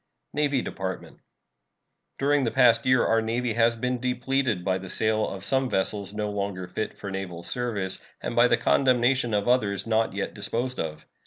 NAVY DEPARTMENT. During the past year our Navy has been depleted by the sale of some vessels no longer fit for naval service and by the condemnation of others not yet disposed of.